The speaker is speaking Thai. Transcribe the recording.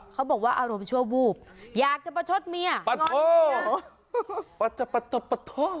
เขาบอกว่าอารมณ์ชั่วบูบอยากจะประชดเมียประโทษ